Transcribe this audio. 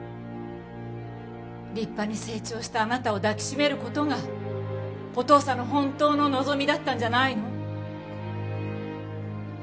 立派に成長したあなたを抱きしめる事がお父さんの本当の望みだったんじゃないの？